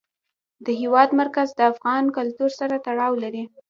د هېواد مرکز د افغان کلتور سره تړاو لري.